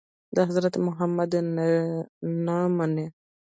د حضرت محمد نه مني.